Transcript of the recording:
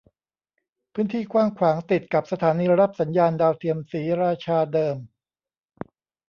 พื้นที่กว้างขวางติดกับสถานีรับสัญญาณดาวเทียมศรีราชาเดิม